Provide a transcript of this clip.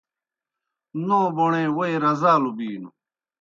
نو بوݨے ووئی رزالوْ بِینوْ